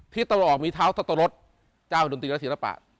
ทิศตะวันออกมีเท้าตะลดเจ้าจนตรีรชิรปะ